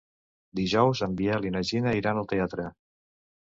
Dijous en Biel i na Gina iran al teatre.